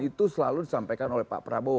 itu selalu disampaikan oleh pak prabowo